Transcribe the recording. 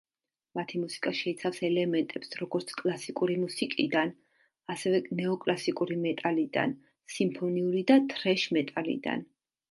მათი მუსიკა შეიცავს ელემენტებს როგორც კლასიკური მუსიკიდან, ასევე ნეო-კლასიკური მეტალიდან, სიმფონიური და თრეშ მეტალიდან.